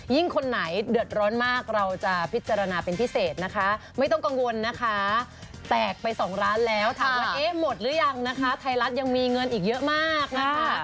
คนไหนเดือดร้อนมากเราจะพิจารณาเป็นพิเศษนะคะไม่ต้องกังวลนะคะแตกไปสองล้านแล้วถามว่าเอ๊ะหมดหรือยังนะคะไทยรัฐยังมีเงินอีกเยอะมากนะคะ